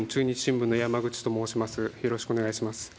よろしくお願いします。